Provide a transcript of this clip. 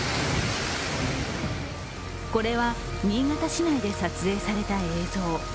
これは新潟市内で撮影された映像。